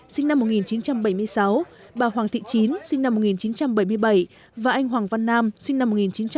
sinh năm một nghìn chín trăm bảy mươi sáu bà hoàng thị chín sinh năm một nghìn chín trăm bảy mươi bảy và anh hoàng văn nam sinh năm một nghìn chín trăm tám mươi